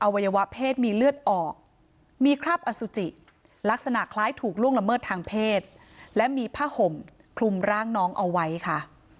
วัยวะเพศมีเลือดออกมีคราบอสุจิลักษณะคล้ายถูกล่วงละเมิดทางเพศและมีผ้าห่มคลุมร่างน้องเอาไว้ค่ะ